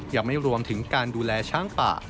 ยังไม่รวมถึงการดูแลช้างป่า